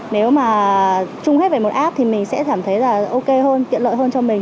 nếu mà trung hết về một app thì mình sẽ cảm thấy là ok hơn tiện lợi hơn cho mình